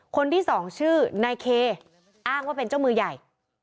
คนที่สองชื่อนายเคอ้างว่าเป็นเจ้ามือใหญ่